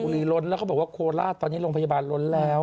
ล้นแล้วก็บอกว่าโคราชตอนนี้โรงพยาบาลล้นแล้ว